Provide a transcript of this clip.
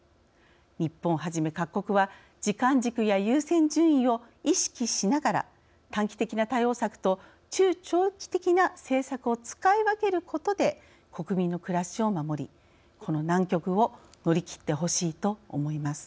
日本をはじめ各国は時間軸や優先順位を意識しながら短期的な対応策と中長期的な政策を使い分けることで国民の暮らしを守りこの難局を乗り切ってほしいと思います。